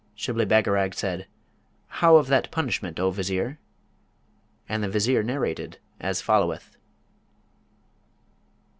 Shibli Bagarag said, 'How of that punishment, O Vizier?' And the Vizier narrated as followeth.